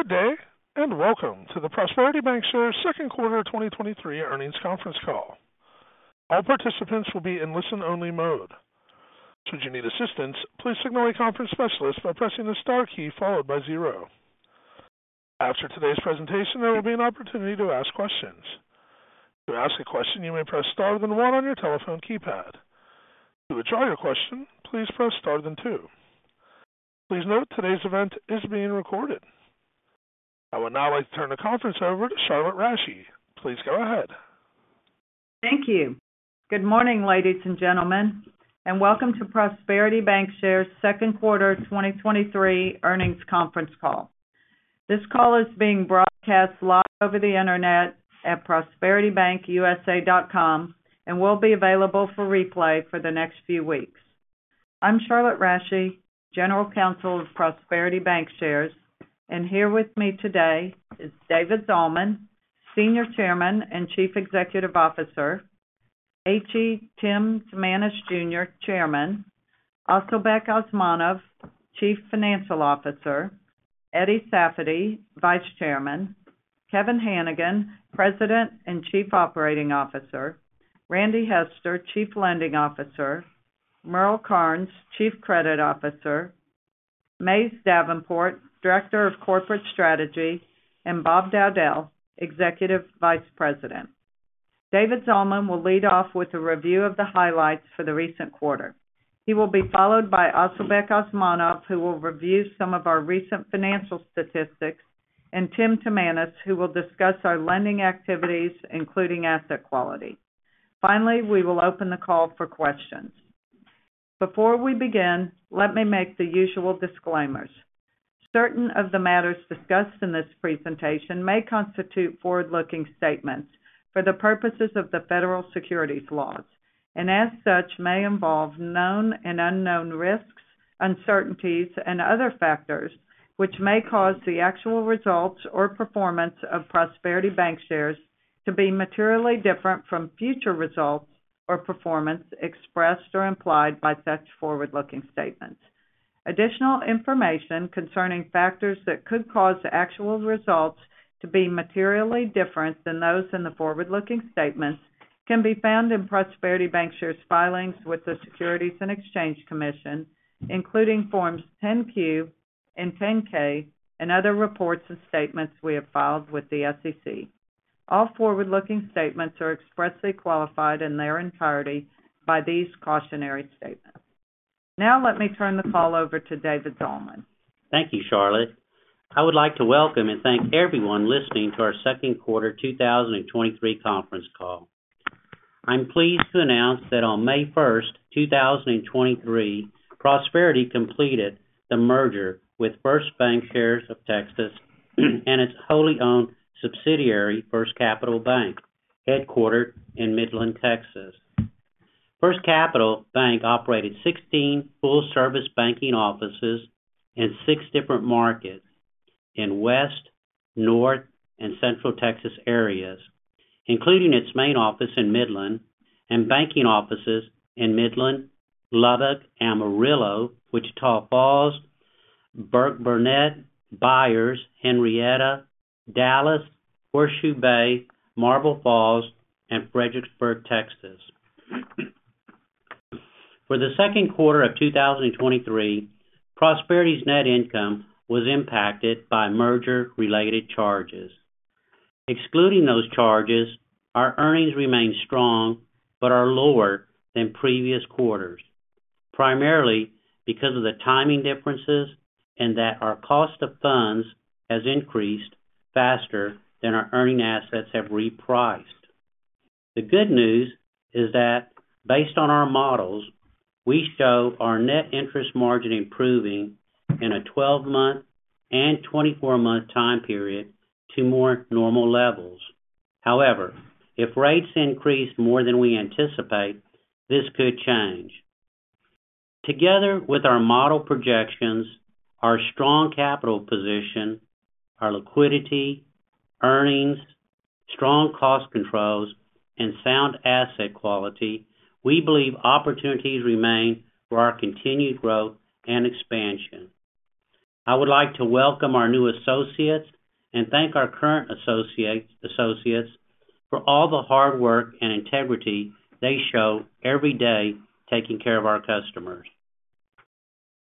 Good day, welcome to the Prosperity Bancshares Second Quarter 2023 Earnings Conference Call. All participants will be in listen-only mode. Should you need assistance, please signal a conference specialist by pressing the star key followed by zero. After today's presentation, there will be an opportunity to ask questions. To ask a question, you may press star then one on your telephone keypad. To withdraw your question, please press star then two. Please note, today's event is being recorded. I would now like to turn the conference over to Charlotte Rasche. Please go ahead. Thank you. Good morning, ladies, and gentlemen, and welcome to Prosperity Bancshares Second Quarter 2023 Earnings Conference Call. This call is being broadcast live over the internet at prosperitybankusa.com, and will be available for replay for the next few weeks. I'm Charlotte Rasche, General Counsel of Prosperity Bancshares, and here with me today is David Zalman, Senior Chairman and Chief Executive Officer, H.E. Tim Timanus, Jr., Chairman, Asylbek Osmonov, Chief Financial Officer, Eddie Safady, Vice Chairman, Kevin Hanigan, President and Chief Operating Officer, Randy Hester, Chief Lending Officer, Merle Karnes, Chief Credit Officer, Mays Davenport, Director of Corporate Strategy, and Bob Dowdell, Executive Vice President. David Zalman will lead off with a review of the highlights for the recent quarter. He will be followed by Asylbek Osmonov, who will review some of our recent financial statistics, and Tim Timanus, who will discuss our lending activities, including asset quality. We will open the call for questions. Before we begin, let me make the usual disclaimers. Certain of the matters discussed in this presentation may constitute forward-looking statements for the purposes of the federal securities laws, and as such, may involve known and unknown risks, uncertainties, and other factors which may cause the actual results or performance of Prosperity Bancshares to be materially different from future results or performance expressed or implied by such forward-looking statements. Additional information concerning factors that could cause the actual results to be materially different than those in the forward-looking statements can be found in Prosperity Bancshares' filings with the Securities and Exchange Commission, including Forms 10-Q and 10-K, and other reports and statements we have filed with the SEC. All forward-looking statements are expressly qualified in their entirety by these cautionary statements. Let me turn the call over to David Zalman. Thank you, Charlotte. I would like to welcome and thank everyone listening to our second quarter 2023 conference call. I'm pleased to announce that on May 1st, 2023, Prosperity completed the merger with First Bancshares of Texas and its wholly owned subsidiary, FirstCapital Bank, headquartered in Midland, Texas. FirstCapital Bank operated 16 full-service banking offices in six different markets in West, North, and Central Texas areas, including its main office in Midland and banking offices in Midland, Lubbock, Amarillo, Wichita Falls, Burkburnett, Byers, Henrietta, Dallas, Horseshoe Bay, Marble Falls, and Fredericksburg, Texas. For the second quarter of 2023, Prosperity's net income was impacted by merger-related charges. Excluding those charges, our earnings remain strong but are lower than previous quarters, primarily because of the timing differences and that our cost of funds has increased faster than our earning assets have repriced. The good news is that based on our models, we show our net interest margin improving in a 12-month and 24-month time period to more normal levels. If rates increase more than we anticipate, this could change. Together with our model projections, our strong capital position, our liquidity, earnings, strong cost controls, and sound asset quality, we believe opportunities remain for our continued growth and expansion. I would like to welcome our new associates and thank our current associates for all the hard work and integrity they show every day taking care of our customers.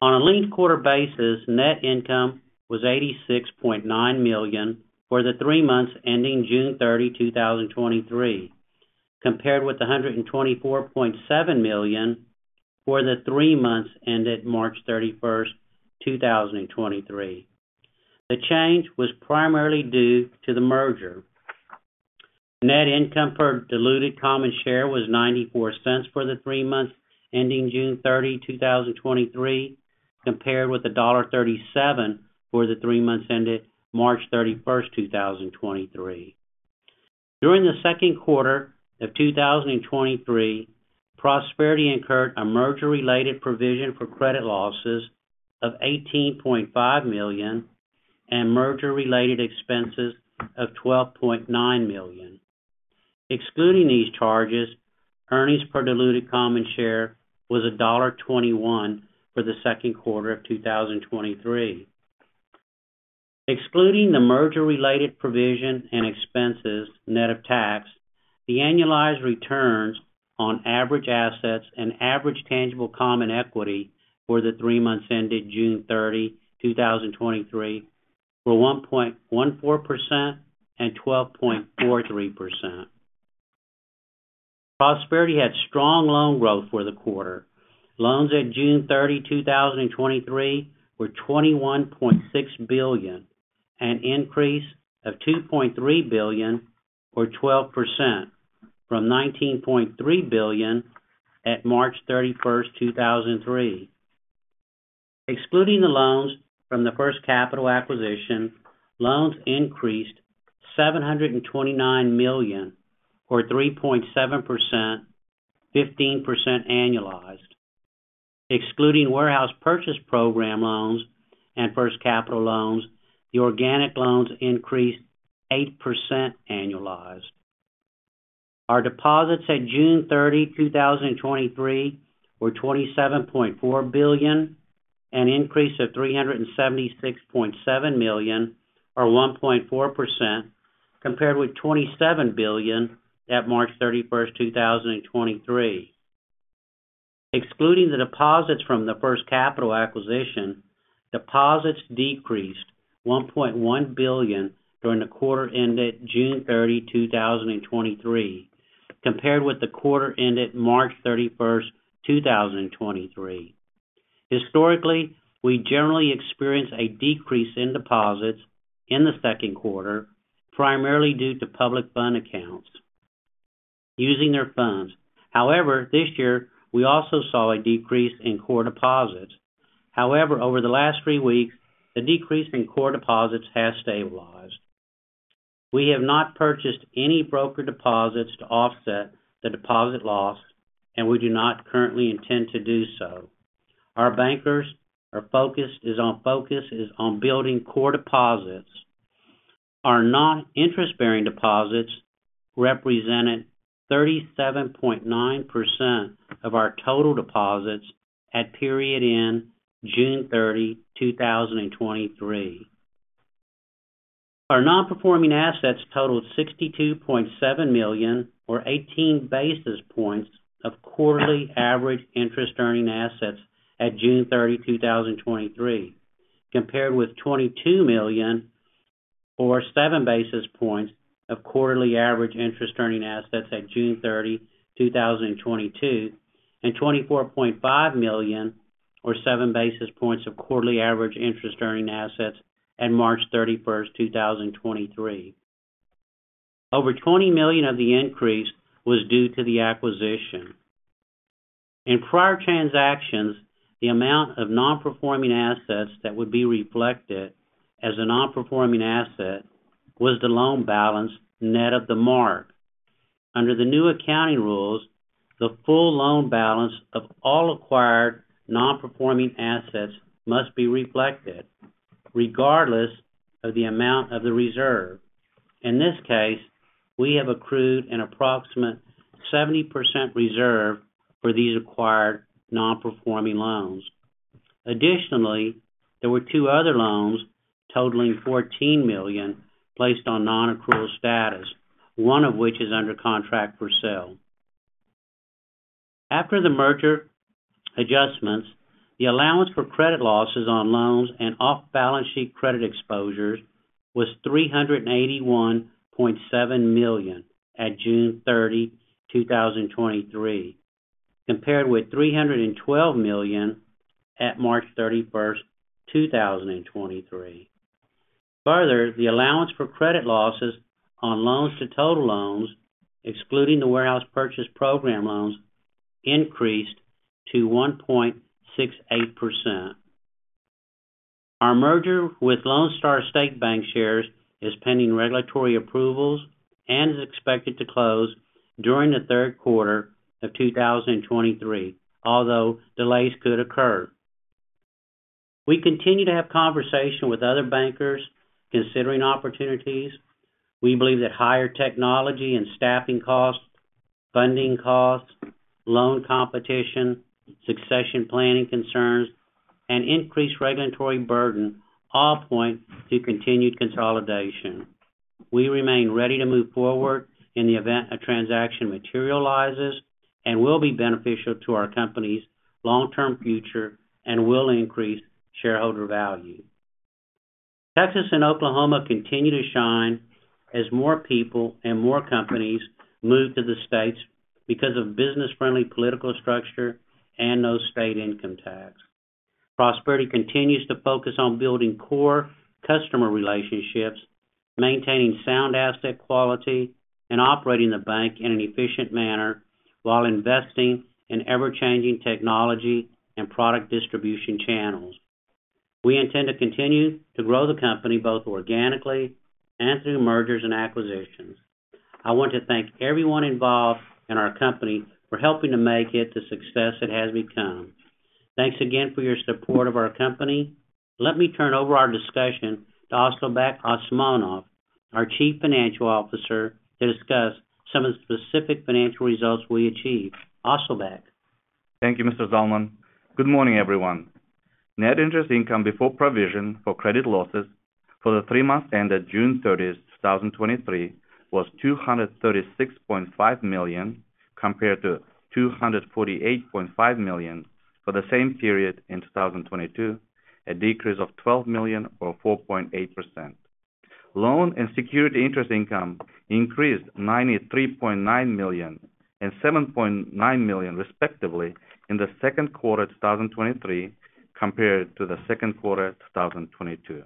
On a linked quarter basis, net income was $86.9 million for the three months ending June 30, 2023, compared with $124.7 million for the three months ended March 31st, 2023. The change was primarily due to the merger. Net income per diluted common share was $0.94 for the three months ending June 30, 2023, compared with $1.37 for the three months ended March 31st, 2023. During the second quarter of 2023, Prosperity incurred a merger-related provision for credit losses of $18.5 million and merger-related expenses of $12.9 million. Excluding these charges, earnings per diluted common share was $1.21 for the second quarter of 2023. Excluding the merger-related provision and expenses net of tax, the annualized returns on average assets and average tangible common equity for the three months ended June 30, 2023, were 1.14% and 12.43%. Prosperity had strong loan growth for the quarter. Loans at June 30, 2023, were $21.6 billion, an increase of $2.3 billion, or 12%, from $19.3 billion at March 31st, 2003. Excluding the loans from the FirstCapital acquisition, loans increased $729 million, or 3.7%, 15% annualized. Excluding Warehouse Purchase Program loans and FirstCapital loans, the organic loans increased 8% annualized. Our deposits at June 30, 2023, were $27.4 billion, an increase of $376.7 million, or 1.4%, compared with $27 billion at March 31st, 2023. Excluding the deposits from the FirstCapital acquisition, deposits decreased $1.1 billion during the quarter ended June 30, 2023, compared with the quarter ended March 31st, 2023. Historically, we generally experience a decrease in deposits in the second quarter, primarily due to public fund accounts using their funds. However, this year, we also saw a decrease in core deposits. However, over the last three weeks, the decrease in core deposits has stabilized. We have not purchased any broker deposits to offset the deposit loss, and we do not currently intend to do so. Our bankers, our focus is on building core deposits. Our non-interest-bearing deposits represented 37.9% of our total deposits at period end June 30, 2023. Our nonperforming assets totaled $62.7 million, or 18 basis points, of quarterly average interest-earning assets at June 30, 2023, compared with $22 million, or 7 basis points, of quarterly average interest-earning assets at June 30, 2022, and $24.5 million, or 7 basis points, of quarterly average interest-earning assets at March 31st, 2023. Over $20 million of the increase was due to the acquisition. In prior transactions, the amount of nonperforming assets that would be reflected as a nonperforming asset was the loan balance net of the mark. Under the new accounting rules, the full loan balance of all acquired nonperforming assets must be reflected, regardless of the amount of the reserve. In this case, we have accrued an approximate 70% reserve for these acquired nonperforming loans. Additionally, there were two other loans totaling $14 million placed on nonaccrual status, one of which is under contract for sale. After the merger adjustments, the allowance for credit losses on loans and off-balance sheet credit exposures was $381.7 million at June 30, 2023, compared with $312 million at March 31, 2023. Further, the allowance for credit losses on loans to total loans, excluding the Warehouse Purchase Program loans, increased to 1.68%. Our merger with Lone Star State Bancshares is pending regulatory approvals and is expected to close during the third quarter of 2023, although delays could occur. We continue to have conversation with other bankers considering opportunities. We believe that higher technology and staffing costs, funding costs, loan competition, succession planning concerns, and increased regulatory burden all point to continued consolidation. We remain ready to move forward in the event a transaction materializes and will be beneficial to our company's long-term future and will increase shareholder value. Texas and Oklahoma continue to shine as more people and more companies move to the States because of business-friendly political structure and no state income tax. Prosperity continues to focus on building core customer relationships, maintaining sound asset quality, and operating the bank in an efficient manner while investing in ever-changing technology and product distribution channels. We intend to continue to grow the company, both organically and through mergers and acquisitions. I want to thank everyone involved in our company for helping to make it the success it has become. Thanks again for your support of our company. Let me turn over our discussion to Asylbek Osmonov, our Chief Financial Officer, to discuss some of the specific financial results we achieved. Asylbek? Thank you, Mr. Zalman. Good morning, everyone. Net interest income before provision for credit losses for the three months ended June 30th, 2023, was $236.5 million, compared to $248.5 million for the same period in 2022, a decrease of $12 million or 4.8%. Loan and security interest income increased $93.9 million and $7.9 million, respectively, in the second quarter of 2023 compared to the second quarter of 2022.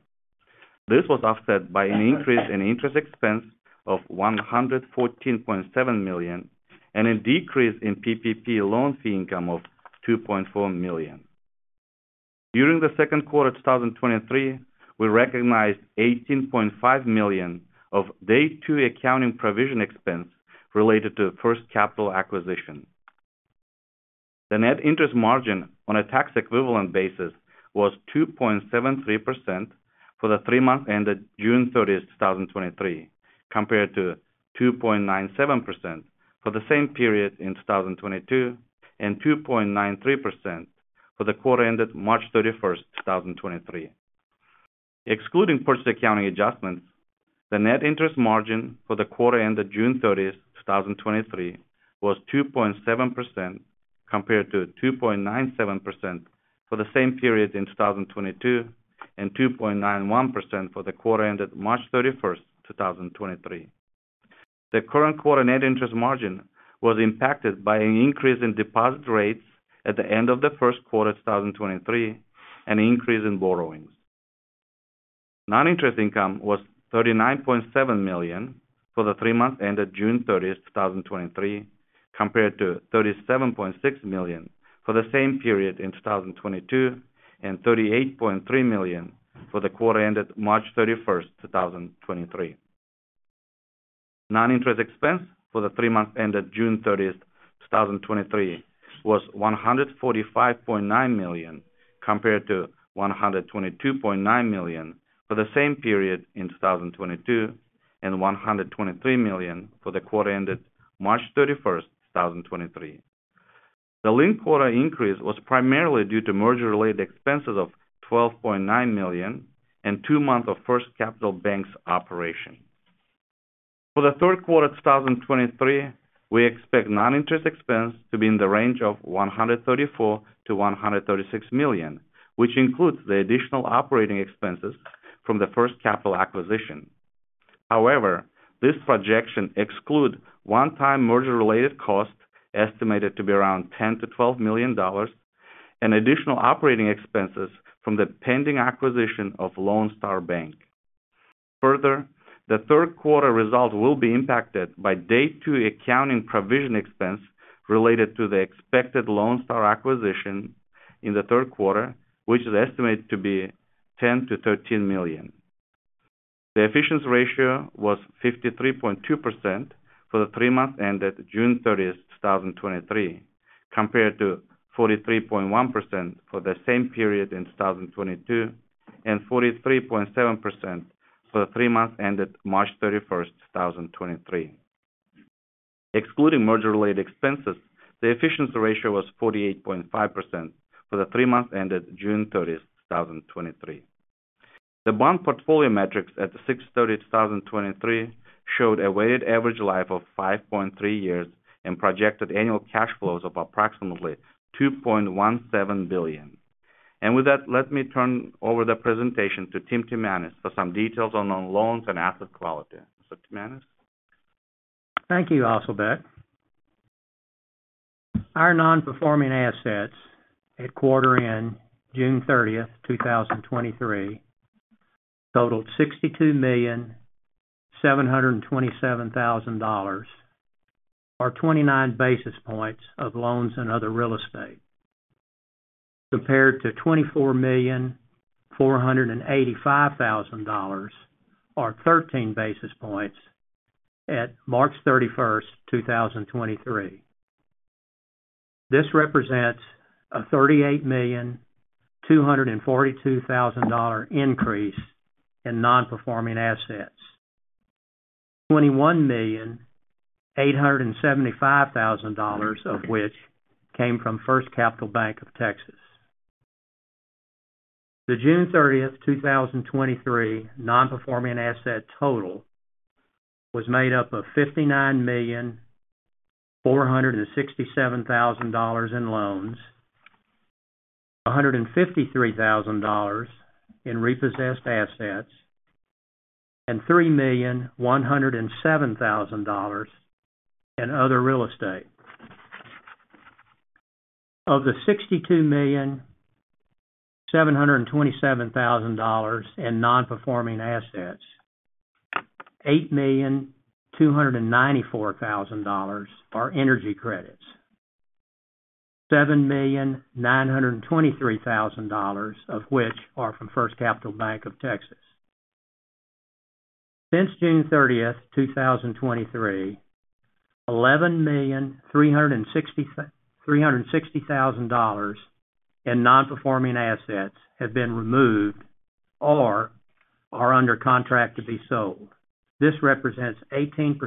This was offset by an increase in interest expense of $114.7 million, and a decrease in PPP loan fee income of $2.4 million. During the second quarter of 2023, we recognized $18.5 million of day two accounting provision expense related to the FirstCapital acquisition. The net interest margin on a tax equivalent basis was 2.73% for the three months ended June 30th, 2023, compared to 2.97% for the same period in 2022, and 2.93% for the quarter ended March 31st, 2023. Excluding purchase accounting adjustments, the net interest margin for the quarter ended June 30th, 2023, was 2.7%, compared to 2.97% for the same period in 2022, and 2.91% for the quarter ended March 31st, 2023. The current quarter net interest margin was impacted by an increase in deposit rates at the end of the first quarter of 2023, and an increase in borrowings. Non-interest income was $39.7 million for the three months ended June 30th, 2023, compared to $37.6 million for the same period in 2022, and $38.3 million for the quarter ended March 31st, 2023. Non-interest expense for the three months ended June 30th, 2023, was $145.9 million, compared to $122.9 million for the same period in 2022, and $123 million for the quarter ended March 31st, 2023. The linked quarter increase was primarily due to merger-related expenses of $12.9 million and 2 months of FirstCapital Bank's operation. For the third quarter of 2023, we expect non-interest expense to be in the range of $134 million-$136 million, which includes the additional operating expenses from the FirstCapital acquisition. This projection exclude one-time merger-related costs, estimated to be around $10 million-$12 million, and additional operating expenses from the pending acquisition of Lone Star Bank. The third quarter results will be impacted by day two accounting provision expense related to the expected Lone Star acquisition in the third quarter, which is estimated to be $10 million-$13 million. The efficiency ratio was 53.2% for the three months ended June 30th, 2023, compared to 43.1% for the same period in 2022, and 43.7% for the three months ended March 31st, 2023. Excluding merger-related expenses, the efficiency ratio was 48.5% for the three months ended June 30th, 2023. The bond portfolio metrics at 6/30/2023 showed a weighted average life of 5.3 years and projected annual cash flows of approximately $2.17 billion. With that, let me turn over the presentation to Tim Timanus for some details on the loans and asset quality. Timanus? Thank you, Asylbek. Our non-performing assets at quarter end, June 30th, 2023, totaled $62,727,000, or 29 basis points of loans and other real estate, compared to $24,485,000, or 13 basis points at March 31st, 2023. This represents a $38,242,000 increase in non-performing assets. $21,875,000 of which came from FirstCapital Bank of Texas. The June 30th, 2023, non-performing asset total was made up of $59,467,000 in loans, $153,000 in repossessed assets, and $3,107,000 in other real estate. Of the $62,727,000 in non-performing assets, $8,294,000 are energy credits, $7,923,000 of which are from FirstCapital Bank of Texas. Since June 30, 2023, $11,360,000 in non-performing assets have been removed or are under contract to be sold. This represents 18%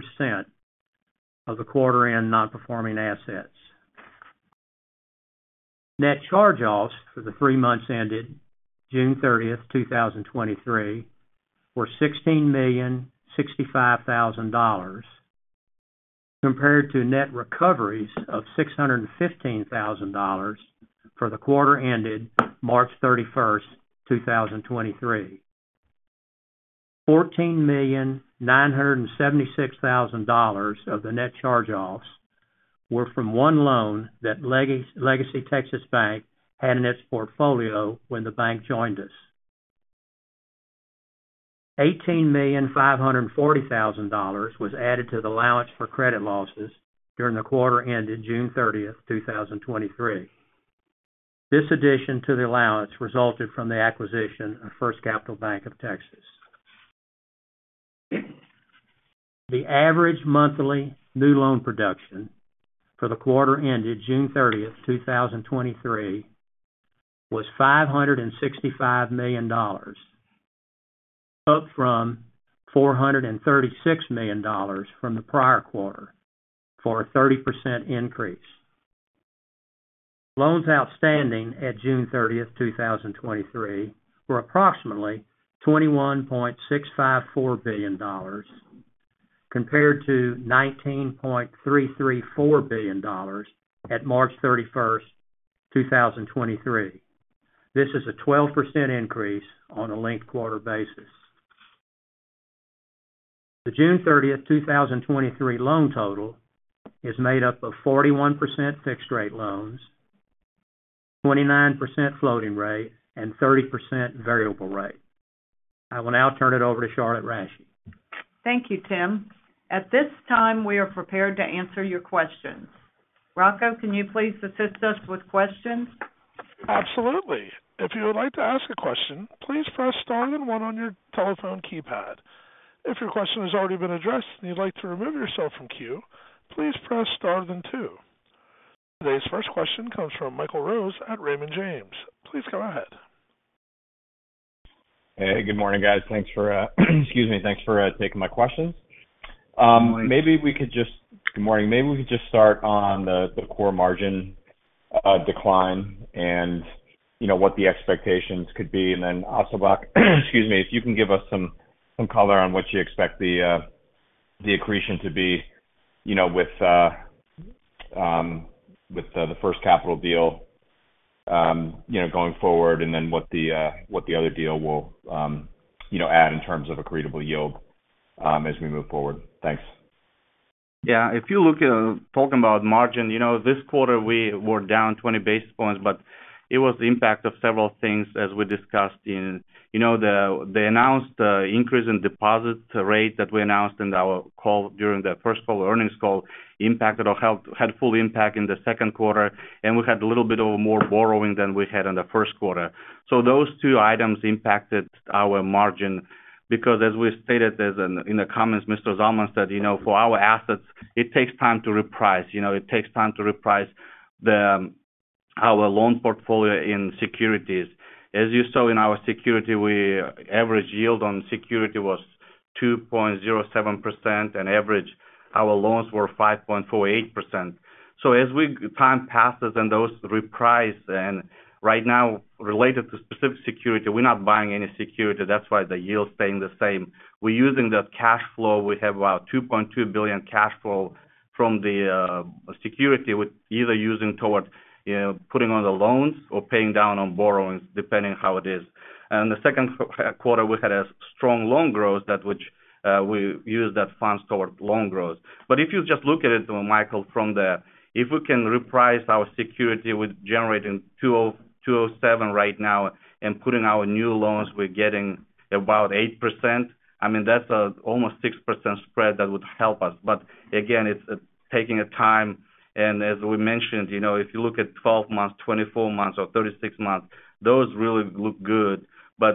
of the quarter end non-performing assets. Net charge-offs for the three months ended June 30, 2023, were $16,065,000, compared to net recoveries of $615,000 for the quarter ended March 31, 2023. $14,976,000 of the net charge-offs were from one loan that LegacyTexas Bank had in its portfolio when the bank joined us. $18,540,000 was added to the allowance for credit losses during the quarter ended June 30, 2023. This addition to the allowance resulted from the acquisition of FirstCapital Bank of Texas. The average monthly new loan production for the quarter ended June 30, 2023, was $565 million, up from $436 million from the prior quarter, for a 30% increase. Loans outstanding at June 30, 2023, were approximately $21.654 billion, compared to $19.334 billion at March 31, 2023. This is a 12% increase on a linked quarter basis. The June 30, 2023, loan total is made up of 41% fixed rate loans, 29% floating rate, and 30% variable rate. I will now turn it over to Charlotte Rasche. Thank you, Tim. At this time, we are prepared to answer your questions. Rocco, can you please assist us with questions? Absolutely. If you would like to ask a question, please press star and one on your telephone keypad. If your question has already been addressed and you'd like to remove yourself from queue, please press star then two. Today's first question comes from Michael Rose at Raymond James. Please go ahead. Hey, good morning, guys. Thanks for, excuse me, thanks for taking my questions. good morning. Maybe we could just start on the core margin, decline and, you know, what the expectations could be. Also, Bach, excuse me, if you can give us some color on what you expect the accretion to be, you know, with with the FirstCapital deal, you know, going forward, and what the other deal will, you know, add in terms of accretable yield, as we move forward. Thanks. Yeah, if you look at talking about margin, you know, this quarter we were down 20 basis points, but it was the impact of several things, as we discussed in. You know, the announced increase in deposit rate that we announced in our call during the first call, earnings call, impacted or had full impact in the second quarter, and we had a little bit of more borrowing than we had in the first quarter. Those two items impacted our margin, because as we stated in the comments, Mr. Zalman said, you know, for our assets, it takes time to reprice. You know, it takes time to reprice our loan portfolio in securities. As you saw in our security, average yield on security was 2.07%, and average, our loans were 5.48%. As time passes and those reprice, right now, related to specific security, we're not buying any security. That's why the yield is staying the same. We're using that cash flow. We have about $2.2 billion cash flow from the security, we're either using towards, you know, putting on the loans or paying down on borrowings, depending how it is. The second quarter, we had a strong loan growth, that which we used that funds toward loan growth. If you just look at it, Michael, from the, if we can reprice our security with generating 2.07% right now and putting our new loans, we're getting about 8%. I mean, that's almost a 6% spread that would help us. Again, it's taking a time, and as we mentioned, you know, if you look at 12 months, 24 months or 36 months, those really look good.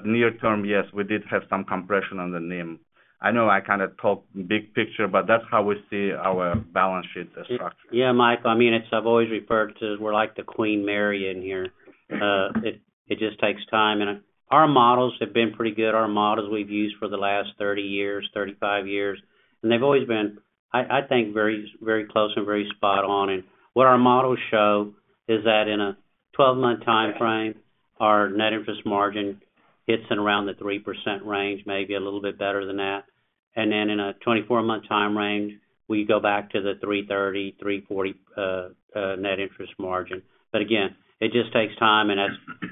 Near term, yes, we did have some compression on the NIM. I know I kind of talked big picture, but that's how we see our balance sheet structure. Yeah, Mike, I mean, I've always referred to as we're like the Queen Mary in here. It just takes time. Our models have been pretty good. Our models we've used for the last 30 years, 35 years, and they've always been, I think, very, very close and very spot on. What our models show is that in a 12-month timeframe, our net interest margin hits at around the 3% range, maybe a little bit better than that. In a 24-month time range, we go back to the 3.30%, 3.40% net interest margin. Again, it just takes time, and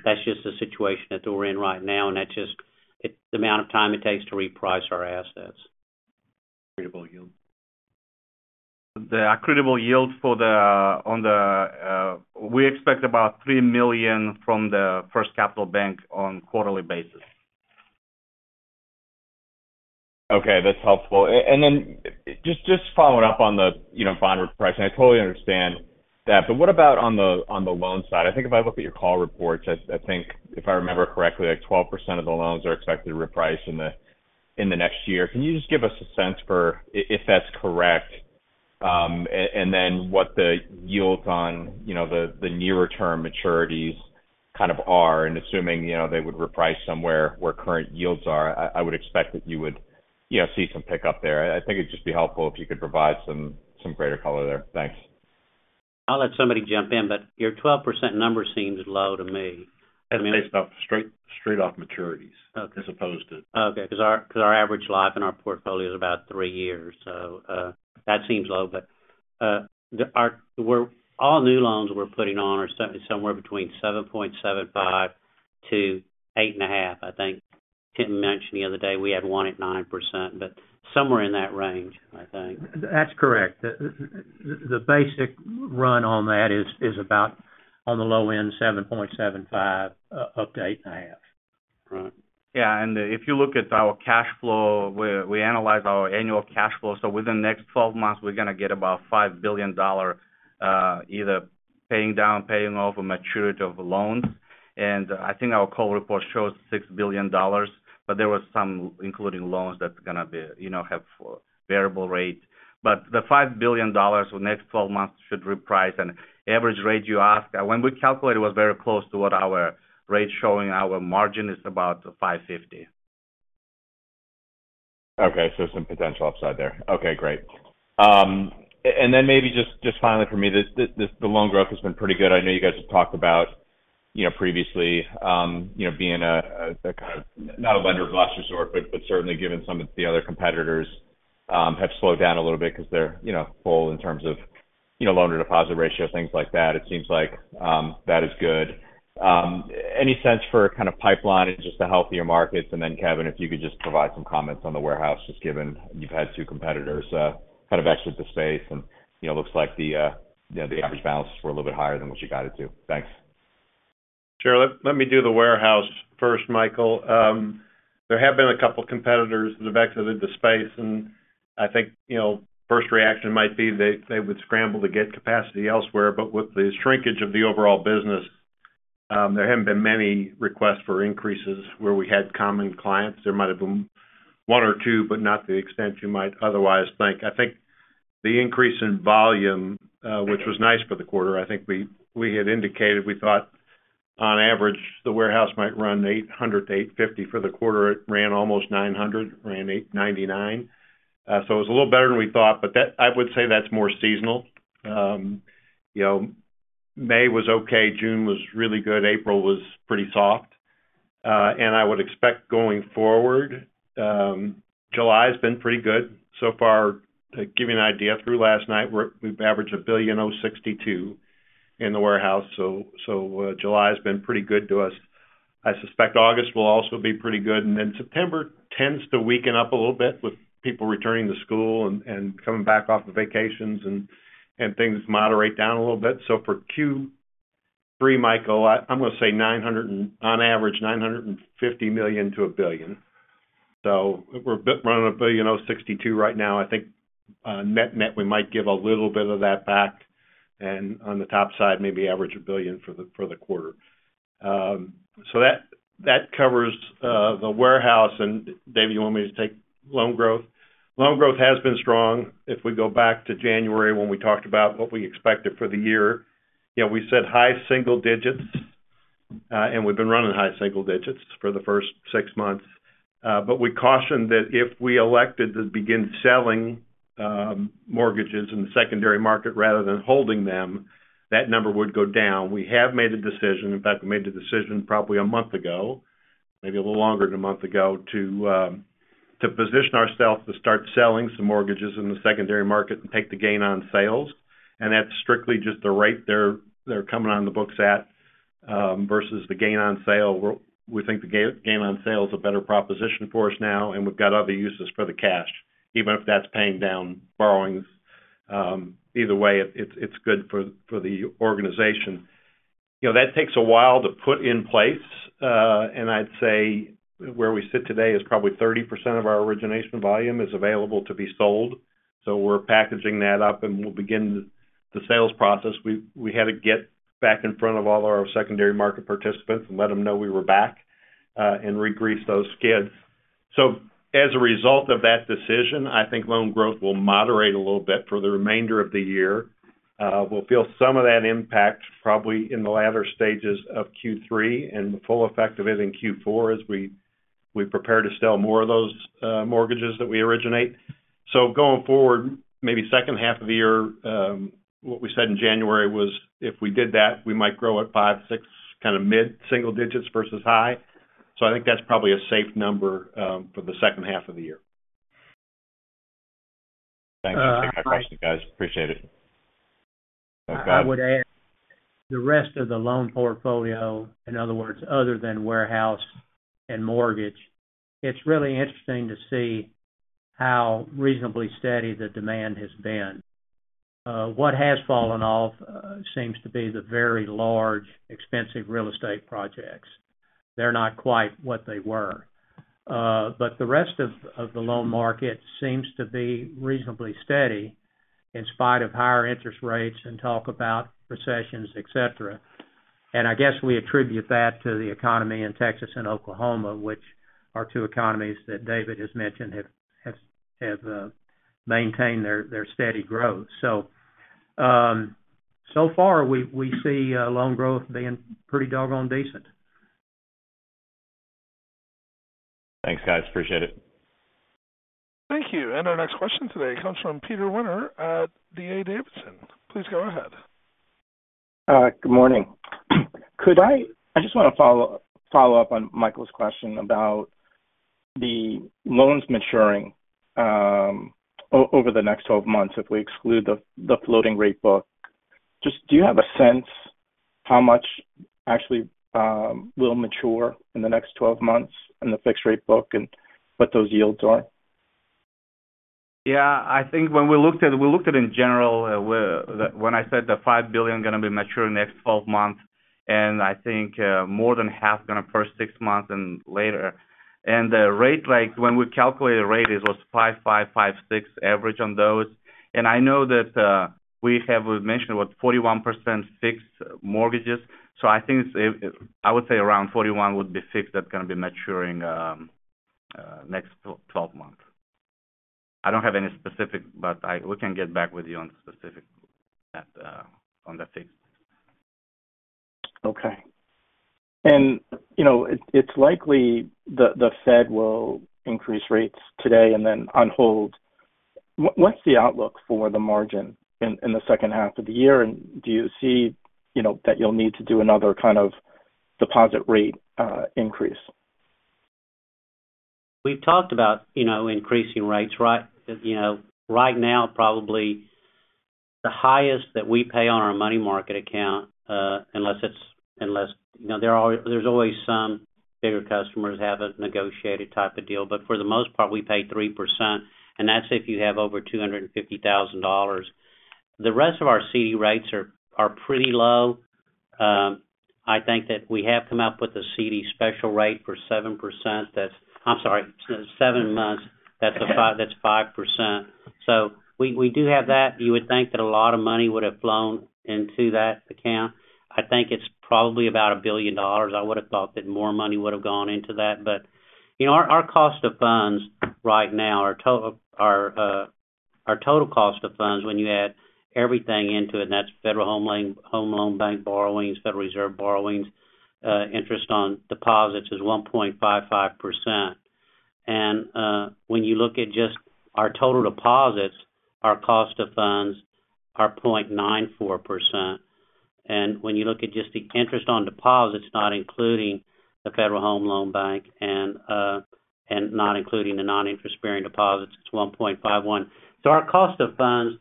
that's just the situation that we're in right now, and it's the amount of time it takes to reprice our assets. Accretable yield. The accretable yield on the, we expect about $3 million from the FirstCapital Bank on quarterly basis. Okay, that's helpful. Then just following up on the, you know, bond repricing. I totally understand that, but what about on the loan side? I think if I look at your call reports, I think if I remember correctly, like 12% of the loans are expected to reprice in the next year. Can you just give us a sense for if that's correct, and then what the yields on, you know, the nearer term maturities kind of are? Assuming, you know, they would reprice somewhere where current yields are, I would expect that you would, you know, see some pickup there. I think it'd just be helpful if you could provide some greater color there. Thanks. I'll let somebody jump in, but your 12% number seems low to me. That's based off straight off maturities. Okay. As opposed to- Because our average life in our portfolio is about three years. That seems low. All new loans we're putting on are somewhere between 7.75%-8.5%. I think Tim mentioned the other day, we had one at 9%. Somewhere in that range, I think. That's correct. The basic run on that is about, on the low end, 7.75%-8.5%. Right. If you look at our cash flow, where we analyze our annual cash flow. Within the next 12 months, we're going to get about $5 billion, either paying down, paying off a maturity of loans. I think our call report shows $6 billion, but there was some, including loans that's going to be, you know, have variable rate. The $5 billion for the next 12 months should reprice. Average rate you ask, when we calculate, it was very close to what our rate showing. Our margin is about 5.50%. Okay, so some potential upside there. Okay, great. Then maybe just finally for me, this the loan growth has been pretty good. I know you guys have talked about, you know, previously, you know, being a kind of not a lender of last resort, but certainly given some of the other competitors, have slowed down a little bit because they're, you know, full in terms of, you know, loan-to-deposit ratio, things like that. It seems like that is good. Any sense for kind of pipeline and just the healthier markets? Then, Kevin, if you could just provide some comments on the warehouse, just given you've had two competitors, kind of exit the space and, you know, looks like the, you know, the average balances were a little bit higher than what you got it to. Thanks. Sure. Let me do the warehouse first, Michael. There have been a couple of competitors that have exited the space, I think, you know, first reaction might be they would scramble to get capacity elsewhere. With the shrinkage of the overall business, there haven't been many requests for increases where we had common clients. There might have been one or two, but not to the extent you might otherwise think. I think the increase in volume, which was nice for the quarter, I think we had indicated we thought on average, the warehouse might run $800-$850 for the quarter. It ran almost $900, ran $899. It was a little better than we thought, but that I would say that's more seasonal. you know, May was okay, June was really good, April was pretty soft. I would expect going forward, July has been pretty good so far. To give you an idea, through last night, we've averaged $1.062 billion in the warehouse, so July has been pretty good to us. I suspect August will also be pretty good, then September tends to weaken up a little bit with people returning to school and coming back off of vacations and things moderate down a little bit. For Q3, Michael, I'm going to say on average, $950 million-$1 billion. So we're a bit around $1.062 billion right now. I think, net-net, we might give a little bit of that back, and on the top side, maybe average $1 billion for the quarter. That covers the warehouse. David, you want me to take loan growth? Loan growth has been strong. If we go back to January, when we talked about what we expected for the year, you know, we said high single digits, and we've been running high single digits for the first six months. We cautioned that if we elected to begin selling mortgages in the secondary market rather than holding them, that number would go down. We have made a decision, in fact, we made the decision probably a month ago, maybe a little longer than a month ago, to position ourselves to start selling some mortgages in the secondary market and take the gain on sales. That's strictly just the rate they're coming on the books at versus the gain on sale. We think the gain on sale is a better proposition for us now, and we've got other uses for the cash, even if that's paying down borrowings. Either way, it's good for the organization. You know, that takes a while to put in place, and I'd say where we sit today is probably 30% of our origination volume is available to be sold. We're packaging that up, and we'll begin the sales process. We had to get back in front of all our secondary market participants and let them know we were back, and re-grease those skids. As a result of that decision, I think loan growth will moderate a little bit for the remainder of the year. We'll feel some of that impact probably in the latter stages of Q3 and the full effect of it in Q4 as we prepare to sell more of those mortgages that we originate. Going forward, maybe second half of the year, what we said in January was if we did that, we might grow at 5%, 6%, kind of mid-single digits versus high. I think that's probably a safe number for the second half of the year. Thank you. Thank you, guys. Appreciate it. I would add, the rest of the loan portfolio, in other words, other than warehouse and mortgage, it's really interesting to see how reasonably steady the demand has been. What has fallen off seems to be the very large, expensive real estate projects. They're not quite what they were. But the rest of the loan market seems to be reasonably steady in spite of higher interest rates and talk about recessions, et cetera. I guess we attribute that to the economy in Texas and Oklahoma, which are two economies that David has mentioned, have maintained their steady growth. So far, we see loan growth being pretty doggone decent. Thanks, guys. Appreciate it. Thank you. Our next question today comes from Peter Winter at D.A. Davidson. Please go ahead. Good morning. I just want to follow up on Michael's question about the loans maturing over the next 12 months, if we exclude the floating rate book. Just do you have a sense how much actually will mature in the next 12 months in the fixed rate book and what those yields are? I think when we looked at it, we looked at it in general, when I said the $5 billion are going to be maturing next 12 months. I think more than half is going to first six months and later. The rate, like, when we calculate the rate, it was 5.5%, 5.6% average on those. I know that we have mentioned, what, 41% fixed mortgages. I think it's, I would say around 41 would be fixed that's going to be maturing next 12 months. I don't have any specific, but we can get back with you on specific on that, on the sixth. Okay. You know, it's likely the Fed will increase rates today and then on hold. What's the outlook for the margin in the second half of the year? Do you see, you know, that you'll need to do another kind of deposit rate increase? We've talked about, you know, increasing rates, right? You know, right now, probably the highest that we pay on our money market account, unless it's, you know, there's always some bigger customers have a negotiated type of deal. For the most part, we pay 3%, and that's if you have over $250,000. The rest of our CD rates are pretty low. I think that we have come up with a CD special rate for 7% that's, I'm sorry, seven months, that's 5%. We do have that. You would think that a lot of money would have flown into that account. I think it's probably about $1 billion. I would have thought that more money would have gone into that. You know, our cost of funds right now, our total cost of funds when you add everything into it, and that's Federal Home Loan Bank borrowings, Federal Reserve borrowings, interest on deposits is 1.55%. When you look at just our total deposits, our cost of funds are 0.94%. When you look at just the interest on deposits, not including the Federal Home Loan Bank and not including the non-interest-bearing deposits, it's 1.51%. Our cost of funds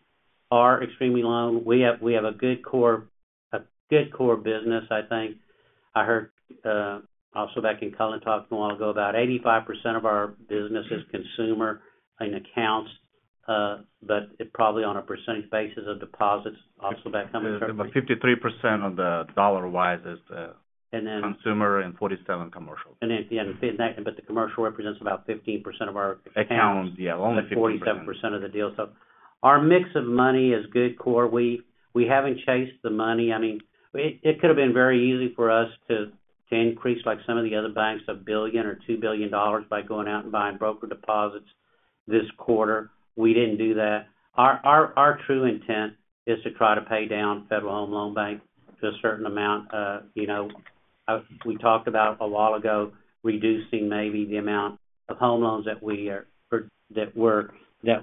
are extremely low. We have a good core business, I think. I heard also back in Cullen talked a while ago, about 85% of our business is consumer in accounts, but it probably on a percentage basis of deposits, also that coming from. 53% of the dollar-wise is the. And then- consumer and 47% commercial. Yeah, the commercial represents about 15% of our accounts. Accounts, yeah, only forty-. 47% of the deals. Our mix of money is good core. We haven't chased the money. I mean, it could have been very easy for us to increase, like some of the other banks, $1 billion or $2 billion by going out and buying broker deposits this quarter. We didn't do that. Our true intent is to try to pay down Federal Home Loan Bank to a certain amount. You know, we talked about a while ago, reducing maybe the amount of home loans that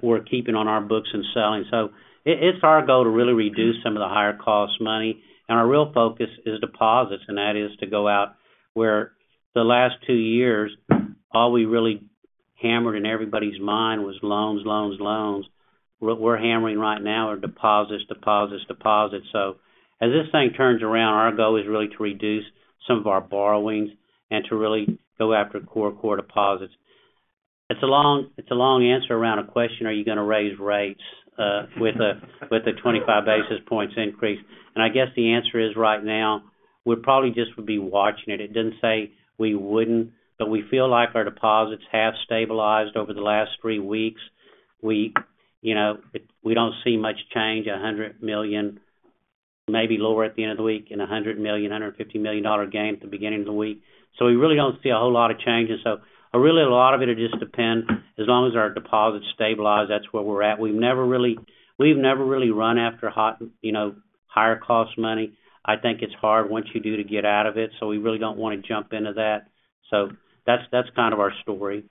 we're keeping on our books and selling. It's our goal to really reduce some of the higher cost money, and our real focus is deposits, and that is to go out where the last two years, all we really hammered in everybody's mind was loans, loans. What we're hammering right now are deposits, deposits. As this thing turns around, our goal is really to reduce some of our borrowings and to really go after core deposits. It's a long, it's a long answer around a question: Are you going to raise rates, with a, with a 25 basis points increase? I guess the answer is, right now, we probably just would be watching it. It didn't say we wouldn't, but we feel like our deposits have stabilized over the last three weeks. We, you know, we don't see much change, $100 million, maybe lower at the end of the week, and $100 million, $150 million gain at the beginning of the week. We really don't see a whole lot of changes. Really a lot of it just depends, as long as our deposits stabilize, that's where we're at. We've never really run after hot, you know, higher cost money. I think it's hard once you do, to get out of it. We really don't want to jump into that. That's, that's kind of our story.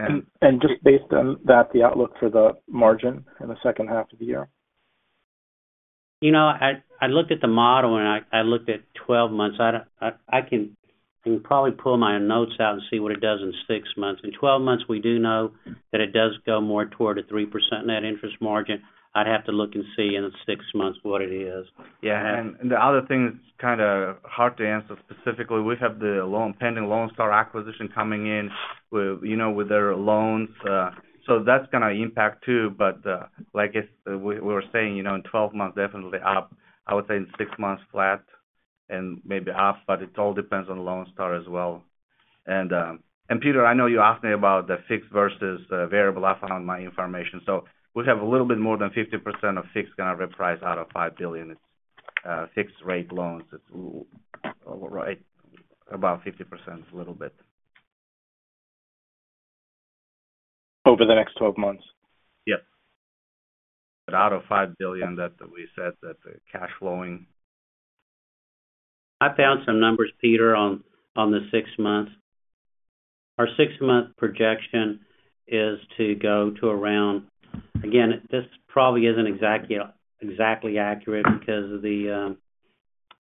Just based on that, the outlook for the margin in the second half of the year? You know, I looked at the model, and I looked at 12 months. I can probably pull my notes out and see what it does in six months. In 12 months, we do know that it does go more toward a 3% net interest margin. I'd have to look and see in six months what it is. Yeah, the other thing that's kind of hard to answer specifically, we have the loan, pending Lone Star acquisition coming in with, you know, with their loans, so that's going to impact, too. Like, if we were saying, you know, in 12 months, definitely up. I would say in six months, flat and maybe half, but it all depends on Lone Star as well. Peter, I know you asked me about the fixed versus variable asset on my information. So we have a little bit more than 50% of fixed going to reprice out of $5 billion fixed rate loans. It's right about 50%, a little bit. Over the next 12 months? Yes. Out of $5 billion, that we said that the cash flowing. I found some numbers, Peter, on the six months. Our six-month projection is to go to around. Again, this probably isn't exactly accurate because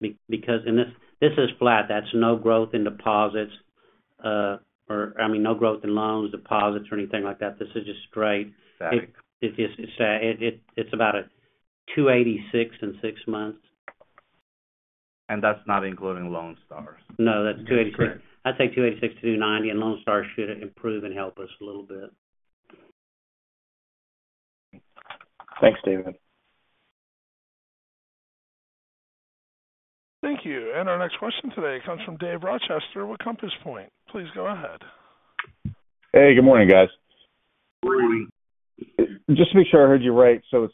and this is flat. That's no growth in deposits, or, I mean, no growth in loans, deposits, or anything like that. This is just straight. Static. It's about a 2.86% in six months. That's not including Lone Star. No, that's 2.86%. I'd say 2.86%, 2.90%, and Lone Star should improve and help us a little bit. Thanks, David. Thank you. Our next question today comes from Dave Rochester with Compass Point. Please go ahead. Hey, good morning, guys. Good morning. Just to make sure I heard you right, it's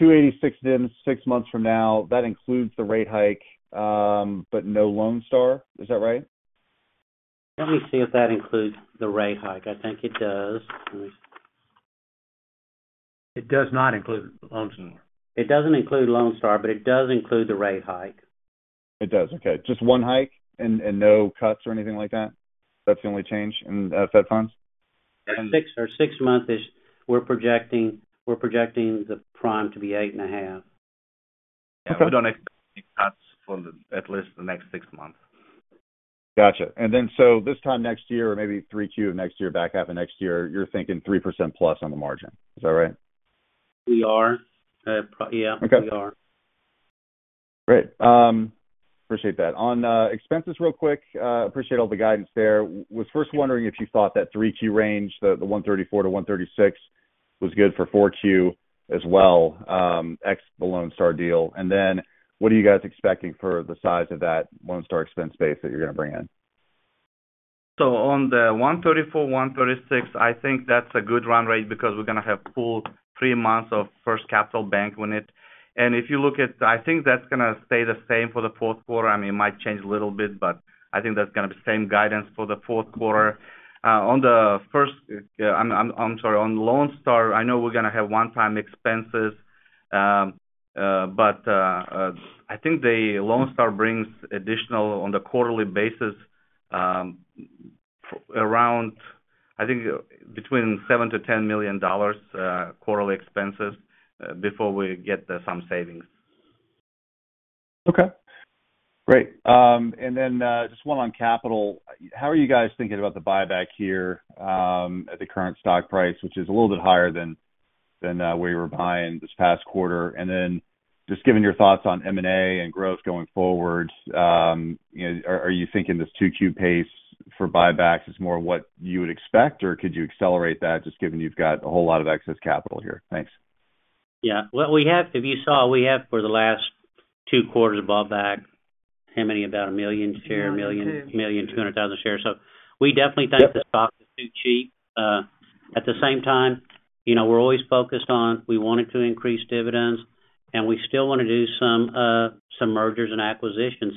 2.86% NIM, six months from now. That includes the rate hike, but no Lone Star. Is that right? Let me see if that includes the rate hike. I think it does. It does not include Lone Star. It doesn't include Lone Star. It does include the rate hike. It does. Okay. Just one hike and no cuts or anything like that? That's the only change in the Fed funds? Six, our six month is we're projecting the prime to be 8.5%. We don't expect any cuts for the, at least the next six months. Gotcha. This time next year, or maybe 3Q of next year, back half of next year, you're thinking 3%+ on the margin. Is that right? We are. Okay. We are. Great. Appreciate that. On expenses real quick, appreciate all the guidance there. Was first wondering if you thought that 3Q range, the $134 million to $136 million, was good for 4Q as well, ex the Lone Star deal. Then, what are you guys expecting for the size of that Lone Star expense base that you're going to bring in? On the $134 million, $136 million, I think that's a good run rate because we're going to have full three months of FirstCapital Bank when it. If you look at, I think that's going to stay the same for the fourth quarter. I mean, it might change a little bit, but I think that's going to be same guidance for the fourth quarter. On the first, I'm sorry, on Lone Star, I know we're going to have one-time expenses. I think the Lone Star brings additional on the quarterly basis, around, I think between $7 million-$10 million quarterly expenses, before we get the some savings. Okay, great. Just one on capital. How are you guys thinking about the buyback here at the current stock price, which is a little bit higher than where you were buying this past quarter? Then just giving your thoughts on M&A and growth going forward, are you thinking this 2Q pace for buybacks is more what you would expect, or could you accelerate that just given you've got a whole lot of excess capital here? Thanks. Yeah. Well, if you saw, we have for the last two quarters, bought back how many? About 1 million share-. $1.2 million. Million 200,000 shares. We definitely think. Yep... the stock is too cheap. At the same time, you know, we're always focused on, we wanted to increase dividends, and we still want to do some mergers and acquisitions.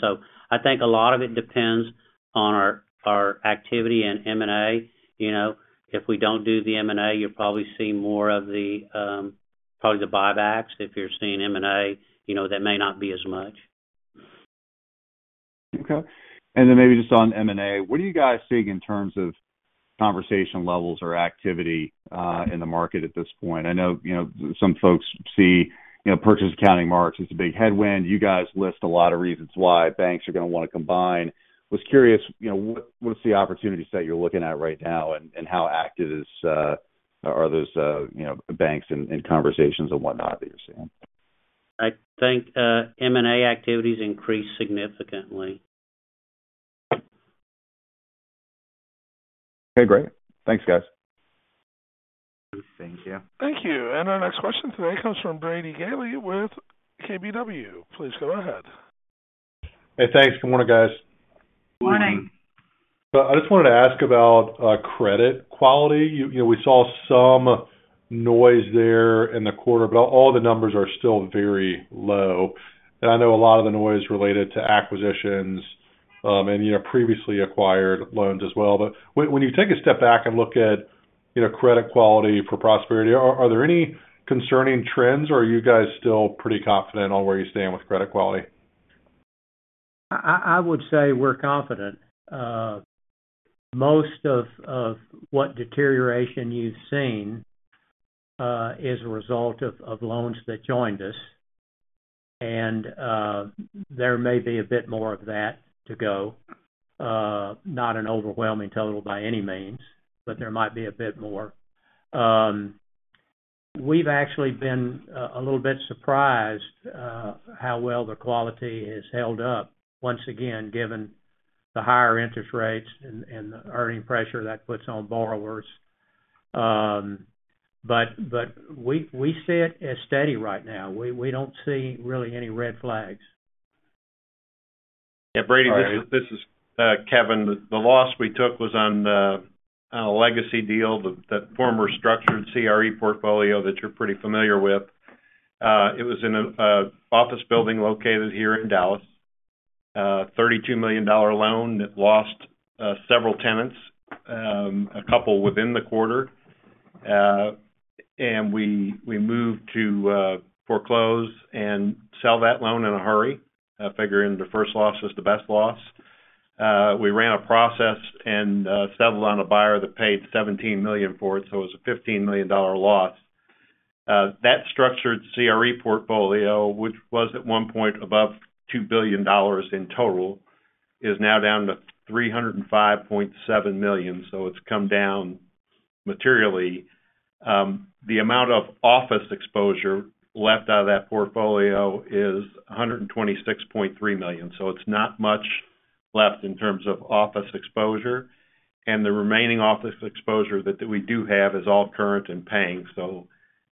I think a lot of it depends on our activity in M&A. You know, if we don't do the M&A, you'll probably see more of the, probably the buybacks. If you're seeing M&A, you know, that may not be as much. Okay. Maybe just on M&A, what are you guys seeing in terms of conversation levels or activity in the market at this point? I know, you know, some folks see, you know, purchase accounting marks as a big headwind. You guys list a lot of reasons why banks are going to want to combine. Was curious, you know, what's the opportunity set you're looking at right now and how active are those, you know, banks in conversations and whatnot that you're seeing? I think, M&A activities increased significantly. Okay, great. Thanks, guys. Thank you. Thank you. Our next question today comes from Brady Gailey with KBW. Please go ahead. Hey, thanks. Good morning, guys. Good morning. I just wanted to ask about credit quality. You know, we saw some noise there in the quarter, but all the numbers are still very low. I know a lot of the noise related to acquisitions, and you know, previously acquired loans as well. When you take a step back and look at, you know, credit quality for Prosperity, are there any concerning trends, or are you guys still pretty confident on where you stand with credit quality? I would say we're confident. Most of what deterioration you've seen is a result of loans that joined us, and there may be a bit more of that to go. Not an overwhelming total by any means, but there might be a bit more. We've actually been a little bit surprised how well the quality has held up, once again, given the higher interest rates and the earning pressure that puts on borrowers. We see it as steady right now. We don't see really any red flags. Yeah, Brady, this is Kevin. The loss we took was on a legacy deal, the former structured CRE portfolio that you're pretty familiar with. It was in an office building located here in Dallas, a $32 million loan that lost several tenants, a couple within the quarter. We moved to foreclose and sell that loan in a hurry, figure in the first loss was the best loss. We ran a process and settled on a buyer that paid $17 million for it, so it was a $15 million loss. That structured CRE portfolio, which was at one point above $2 billion in total, is now down to $305.7 million. It's come down materially. The amount of office exposure left out of that portfolio is $126.3 million. It's not much left in terms of office exposure, and the remaining office exposure that we do have is all current and paying.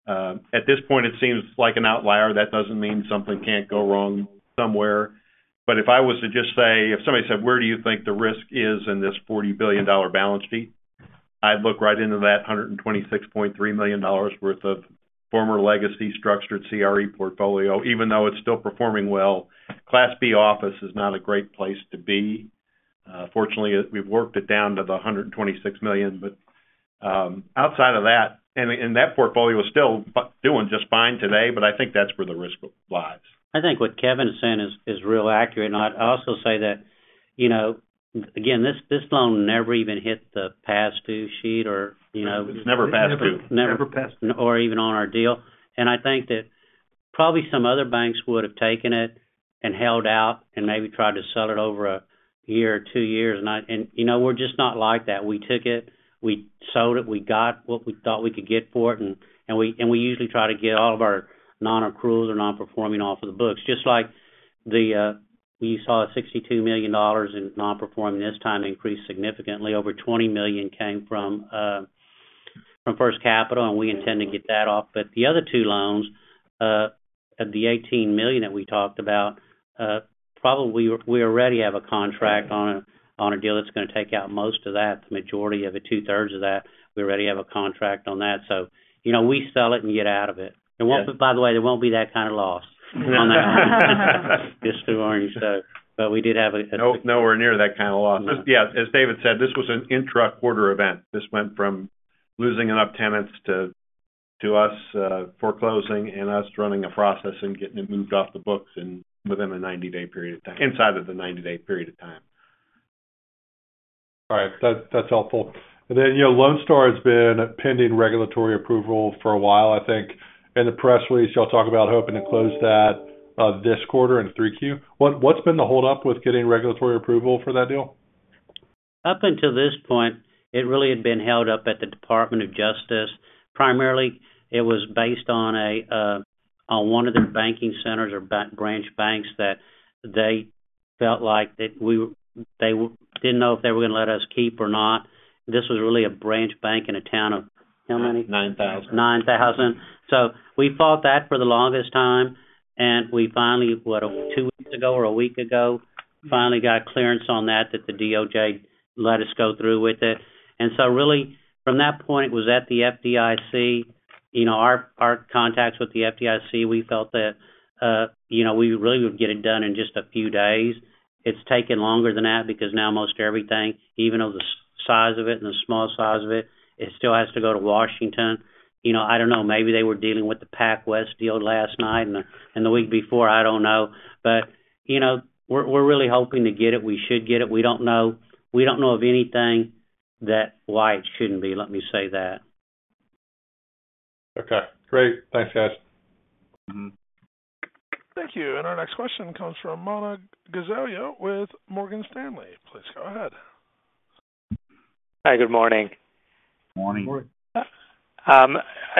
At this point, it seems like an outlier. That doesn't mean something can't go wrong somewhere. If somebody said, where do you think the risk is in this $40 billion balance sheet? I'd look right into that $126.3 million worth of former legacy structured CRE portfolio, even though it's still performing well. Class B office is not a great place to be. Fortunately, we've worked it down to the $126 million, outside of that... That portfolio is still doing just fine today, but I think that's where the risk lies. I think what Kevin is saying is real accurate. I'd also say that, you know, again, this loan never even hit the past due sheet or, you know. It's never past due. Never past due. Even on our deal. I think that probably some other banks would have taken it and held out and maybe tried to sell it over a year or two years. You know, we're just not like that. We took it, we sold it, we got what we thought we could get for it, and we usually try to get all of our non-accruals or non-performing off of the books. Just like the, we saw a $62 million in non-performing this time increased significantly. Over $20 million came from First Capital, we intend to get that off. The other two loans, of the $18 million that we talked about, probably we already have a contract on a deal that's going to take out most of that, the majority of it, 2/3 of that. We already have a contract on that. You know, we sell it and get out of it. Yes. By the way, it won't be that kind of loss on that. Just to warn you, so, but we did have. Nowhere near that kind of loss. As David said, this was an intra-quarter event. This went from losing enough tenants to us, foreclosing and us running a process and getting it moved off the books and within a 90-day period of time, inside of the 90-day period of time. All right. That's helpful. You know, Lone Star has been pending regulatory approval for a while, I think. In the press release, y'all talk about hoping to close that this quarter in 3Q. What's been the hold up with getting regulatory approval for that deal? Up until this point, it really had been held up at the Department of Justice. Primarily, it was based on a on one of their banking centers or branch banks that they felt like that they didn't know if they were going to let us keep or not. This was really a branch bank in a town of how many? $9,000. 9,000. We fought that for the longest time, and we finally, what, two weeks ago or a week ago, finally got clearance on that the DOJ let us go through with it. Really, from that point, it was at the FDIC. You know, our contacts with the FDIC, we felt that, you know, we really would get it done in just a few days. It's taken longer than that because now most everything, even though the size of it and the small size of it still has to go to Washington. You know, I don't know, maybe they were dealing with the PacWest deal last night and the week before, I don't know. You know, we're really hoping to get it. We should get it. We don't know. We don't know of anything that why it shouldn't be, let me say that. Okay, great. Thanks, guys. Mm-hmm. Thank you. Our next question comes from Manan Gosalia with Morgan Stanley. Please go ahead. Hi, good morning. Morning. Morning. I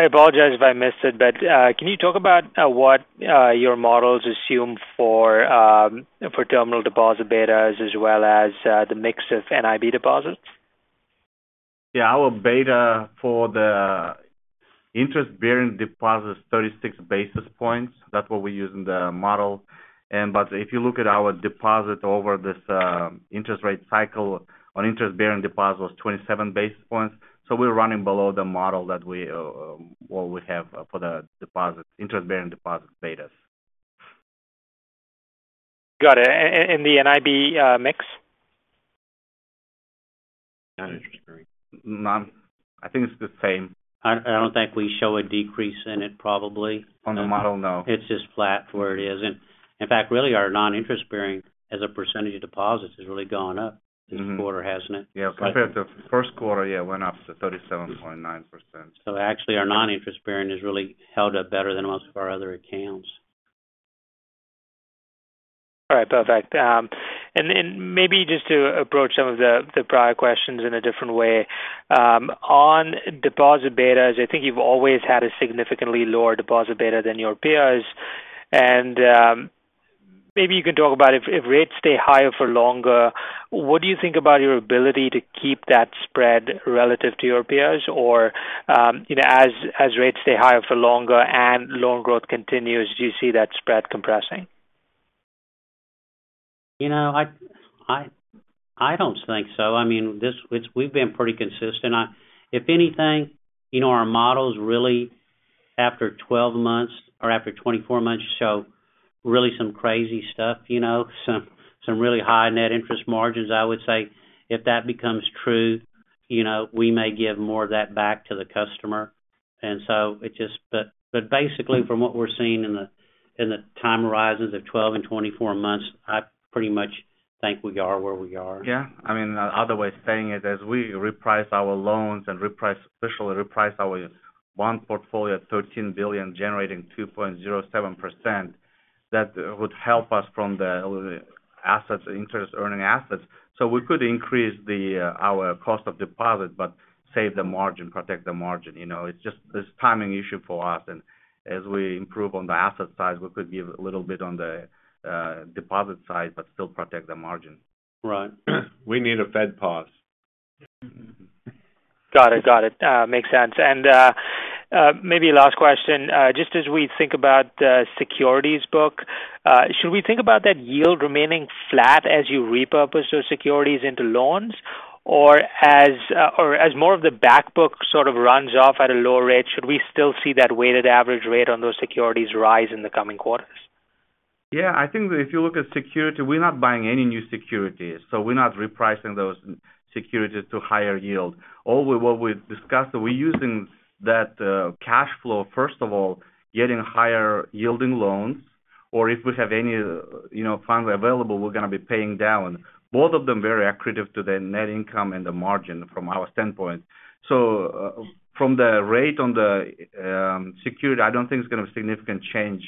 apologize if I missed it, but can you talk about what your models assume for terminal deposit betas, as well as the mix of NIB deposits? Yeah, our beta for the interest-bearing deposit is 36 basis points. That's what we use in the model. If you look at our deposit over this interest rate cycle on interest-bearing deposit was 27 basis points. We're running below the model that we what we have for the deposit, interest-bearing deposit betas. Got it. And the NIB mix? Non-interest bearing. None. I think it's the same. I don't think we show a decrease in it, probably. On the model, no. It's just flat where it is. In fact, really, our non-interest bearing, as a percentage of deposits, has really gone up. Mm-hmm this quarter, hasn't it? Yeah, compared to the first quarter, yeah, it went up to 37.9%. Actually, our non-interest bearing has really held up better than most of our other accounts. All right. Perfect. Maybe just to approach some of the prior questions in a different way. On deposit betas, I think you've always had a significantly lower deposit beta than your peers. Maybe you can talk about if rates stay higher for longer, what do you think about your ability to keep that spread relative to your peers? Or, you know, as rates stay higher for longer and loan growth continues, do you see that spread compressing? You know, I don't think so. I mean, we've been pretty consistent. If anything, you know, our models, really, after 12 months or after 24 months, show really some crazy stuff, you know, some really high net interest margins. I would say if that becomes true, you know, we may give more of that back to the customer. But basically, from what we're seeing in the, in the time horizons of 12 and 24 months, I pretty much think we are where we are. Yeah. I mean, another way of saying it, as we reprice our loans and officially reprice our bond portfolio at $13 billion, generating 2.07%, that would help us from the assets, interest-earning assets. We could increase the our cost of deposit, but save the margin, protect the margin. You know, it's just this timing issue for us, as we improve on the asset side, we could give a little bit on the deposit side, but still protect the margin. Right. We need a Fed pause. Got it. Got it. makes sense. maybe last question, just as we think about the securities book, should we think about that yield remaining flat as you repurpose those securities into loans? As more of the back book sort of runs off at a lower rate, should we still see that weighted average rate on those securities rise in the coming quarters? Yeah, I think that if you look at security, we're not buying any new securities, we're not repricing those securities to higher yield. Only what we've discussed, we're using that cash flow, first of all, getting higher yielding loans, or if we have any, you know, funds available, we're going to be paying down. Both of them very accretive to the net income and the margin from our standpoint. From the rate on the security, I don't think it's going to significantly change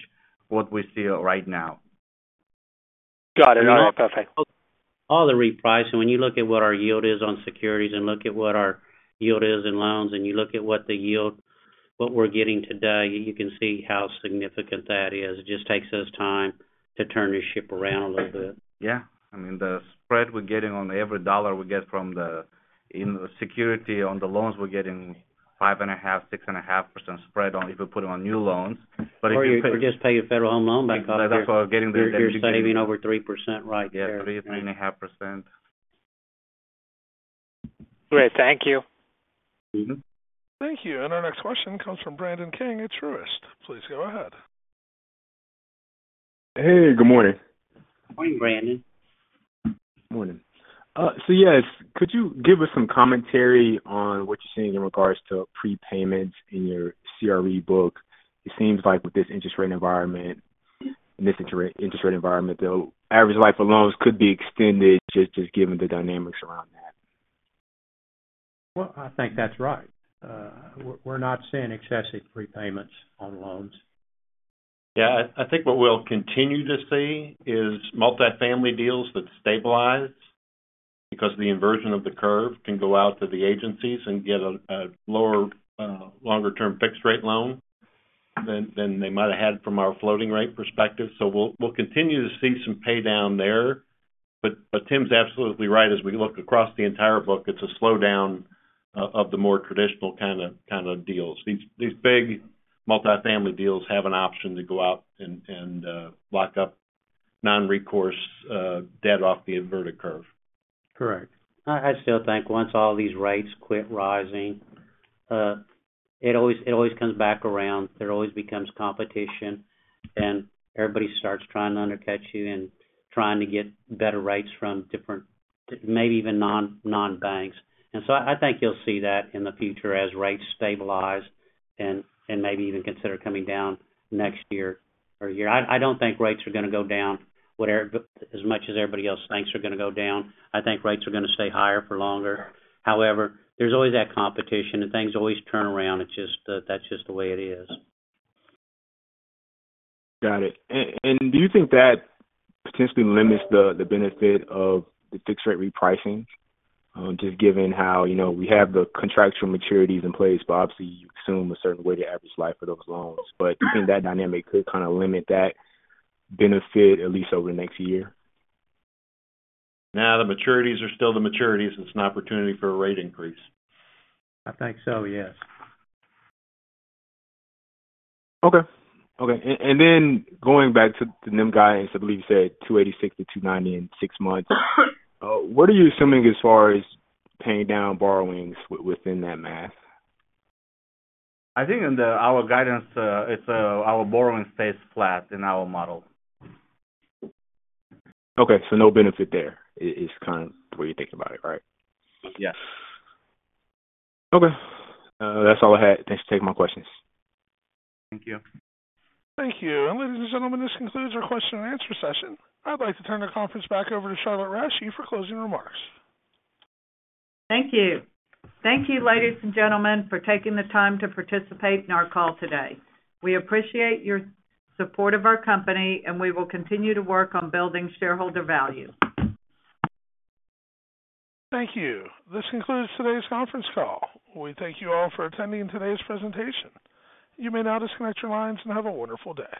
what we see right now. Got it. Perfect. All the repricing, when you look at what our yield is on securities and look at what our yield is in loans, you look at what the yield, what we're getting today, you can see how significant that is. It just takes us time to turn the ship around a little bit. Yeah. I mean, the spread we're getting on every dollar we get from in security on the loans, we're getting 5.5%, 6.5% spread on if we put it on new loans. You just pay a Federal Home Loan Bank up. That's why we're getting. You're saving over 3% right there. Yeah, 3.5%. Great. Thank you. Thank you. Our next question comes from Brandon King at Truist. Please go ahead. Hey, good morning. Morning, Brandon. Morning. Yes, could you give us some commentary on what you're seeing in regards to prepayments in your CRE book? It seems like with this interest rate environment, in this interest rate environment, the average life of loans could be extended, just given the dynamics around that. Well, I think that's right. We're not seeing excessive prepayments on loans. I think what we'll continue to see is multifamily deals that stabilize because the inversion of the curve can go out to the agencies and get a lower, longer-term fixed rate loan than they might have had from our floating rate perspective. We'll continue to see some pay down there. Tim's absolutely right. As we look across the entire book, it's a slowdown of the more traditional kind of deals. These big multifamily deals have an option to go out and lock up non-recourse debt off the inverted curve. Correct. I still think once all these rates quit rising, it always comes back around. There always becomes competition. Everybody starts trying to undercut you and trying to get better rates from different, maybe even non-banks. I think you'll see that in the future as rates stabilize and maybe even consider coming down next year or year. I don't think rates are going to go down as much as everybody else thinks are going to go down. I think rates are going to stay higher for longer. However, there's always that competition, and things always turn around. That's just the way it is. Got it. Do you think that potentially limits the benefit of the fixed rate repricing? Just given how, you know, we have the contractual maturities in place, but obviously, you assume a certain weighted average life for those loans. Do you think that dynamic could kind of limit that benefit, at least over the next year? No, the maturities are still the maturities. It's an opportunity for a rate increase. I think so, yes. Okay. Going back to the NIM guidance, I believe you said 2.86% to 2.90% in six months. What are you assuming as far as paying down borrowings within that math? I think in our guidance, it's, our borrowing stays flat in our model. Okay, no benefit there is kind of the way you think about it, right? Yes. That's all I had. Thanks for taking my questions. Thank you. Thank you. Ladies and gentlemen, this concludes our question and answer session. I'd like to turn the conference back over to Charlotte Rasche for closing remarks. Thank you. Thank you, ladies, and gentlemen, for taking the time to participate in our call today. We appreciate your support of our company, and we will continue to work on building shareholder value. Thank you. This concludes today's conference call. We thank you all for attending today's presentation. You may now disconnect your lines and have a wonderful day.